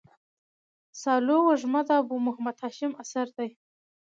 سالو وږمه د ابو محمد هاشم اثر دﺉ.